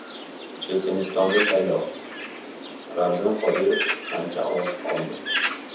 Chechenistonda saylov: Ramzan Qodirov qancha ovoz oldi?